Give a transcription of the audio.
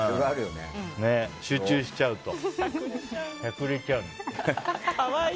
集中しちゃうと。